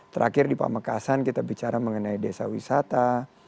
terakhir di pamekasan kita bicara mengenai desa wisata